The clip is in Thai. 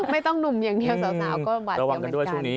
หนุ่มอย่างเดียวสาวก็หวาดเสียวเหมือนกัน